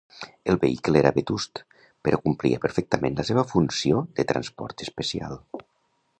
El vehicle era vetust, però complia perfectament la seva funció de transport especial.